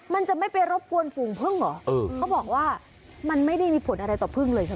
มันจะไม่ไปรบกวนฝูงพึ่งเหรอเออเขาบอกว่ามันไม่ได้มีผลอะไรต่อพึ่งเลยใช่ไหม